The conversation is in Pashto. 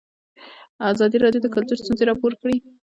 ازادي راډیو د کلتور ستونزې راپور کړي.